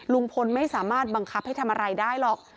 ลุงพลไม่สามารถบังคับให้ทำอะไรได้หรอก